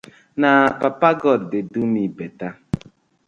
Na papa god dey do mi better.